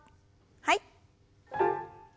はい。